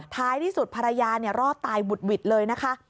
ท้ายที่สุดภรรยารอดตายบุดหวิดเลยนะคะ